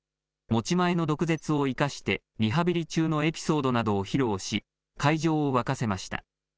持ち前の毒舌を生かして、リハビリ中のエピソードなどを披露し、会場を沸かせました。